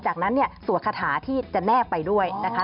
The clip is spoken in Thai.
จากนั้นเนี่ยสวขทาที่จะแน่ไปด้วยนะคะ